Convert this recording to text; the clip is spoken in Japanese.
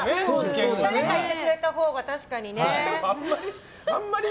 誰かいてくれたほうが確かにね。